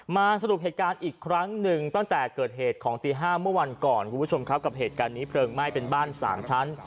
สรุปเหตุการณ์อีกครั้งหนึ่งตั้งแต่เกิดเหตุของตี๕เมื่อวันก่อนคุณผู้ชมครับกับเหตุการณ์นี้เพลิงไหม้เป็นบ้าน๓ชั้น